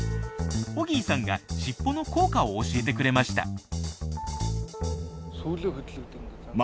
オギーさんがしっぽの効果を教えてくれました。